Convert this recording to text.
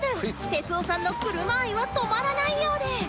哲夫さんの車愛は止まらないようで